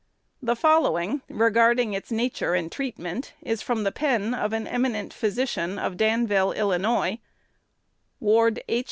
The following, regarding its nature and treatment, is from the pen of an eminent physician of Danville, Illinois: Ward H.